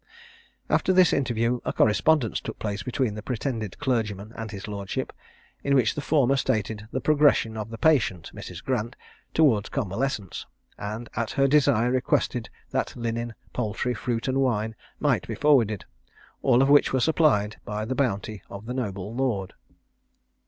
After this interview a correspondence took place between the pretended clergyman and his lordship, in which the former stated the progression of the patient, Mrs. Grant, towards convalescence, and at her desire requested that linen, poultry, fruit, and wine, might be forwarded, all of which were supplied by the bounty of the noble lord.